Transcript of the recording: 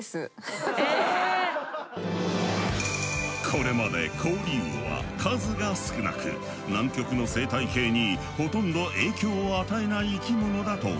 これまでコオリウオは数が少なく南極の生態系にほとんど影響を与えない生き物だと考えられていた。